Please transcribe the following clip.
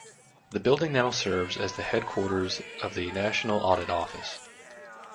The building now serves as the headquarters of the National Audit Office.